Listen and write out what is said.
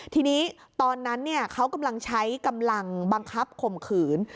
ทีนี้ตอนนั้นเขากำลังใช้กำลังบังคับข่มขืน